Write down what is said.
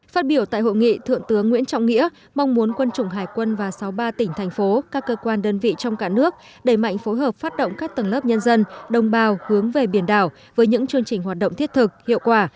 phát biểu tại hội nghị thượng tướng nguyễn trọng nghĩa mong muốn quân chủng hải quân và sáu mươi ba tỉnh thành phố các cơ quan đơn vị trong cả nước đẩy mạnh phối hợp phát động các tầng lớp nhân dân đồng bào hướng về biển đảo với những chương trình hoạt động thiết thực hiệu quả